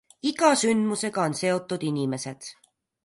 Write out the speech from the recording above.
Iga sündmusega on seotud inimesed.